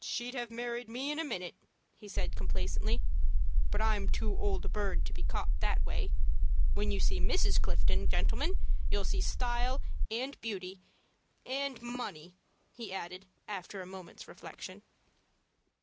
"She'd have married me in a minute," he said complacently; "but I'm too old a bird to be caught that way. When you see Mrs. Clifton, gentlemen, you'll see style and beauty, and money" he added, after a moment's reflection.